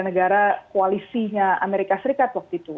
negara koalisinya amerika serikat waktu itu